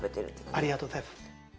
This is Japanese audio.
ありがとうございます。